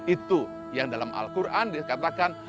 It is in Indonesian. itu yang dalam al quran dikatakan